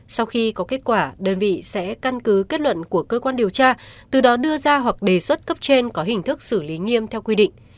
sau khi có kết quả đơn vị sẽ căn cứ kết luận của cơ quan điều tra từ đó đưa ra hoặc đề xuất cấp trên có hình thức xử lý nghiêm theo quy định